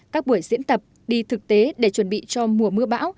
các buổi diễn tập đi thực tế để chuẩn bị cho mùa mưa bão